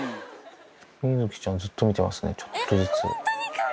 ミズキちゃん、ずっと見てますね、ちょっとずつ。